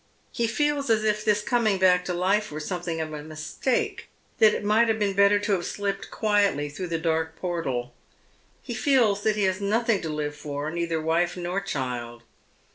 He feels as if this coming back to life were something of a mistake, that it might have been better to have slipped quietly through the dark portal. Pie feels that he has nothing to live for, neither wife nor cliild.